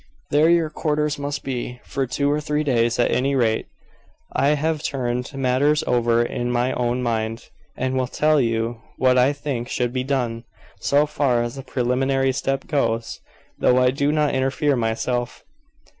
"There your quarters must be, for two or three days at any rate. I have turned matters over in my own mind, and will tell you what I think should be done, so far as the preliminary step goes, though I do not interfere myself."